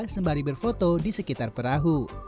sembari berfoto di sekitar perahu